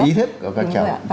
ý thức của các cháu